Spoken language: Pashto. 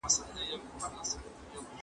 داځني سترګي خوپه زړوکي انقلاب جوړوي